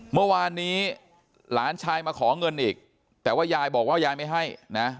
เมื่อวานนี้หลานชายมาขอเงินอีกแต่ว่ายายบอกว่ายายไม่ให้นะ